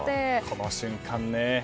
この瞬間ね。